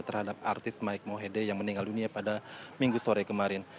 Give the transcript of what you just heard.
terhadap artis mike mohede yang meninggal dunia pada minggu sore kemarin